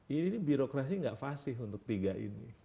ini birokrasi nggak fasih untuk tiga ini